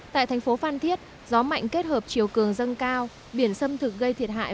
tại thành phố phan thiết gió mạnh kết hợp chiều cường dâng cao biển xâm thực gây thiệt hại